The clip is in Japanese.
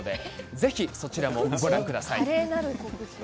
ぜひそちらもご覧ください。